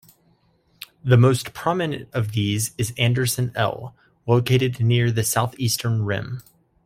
The most prominent of these is Anderson L, located near the southeastern rim.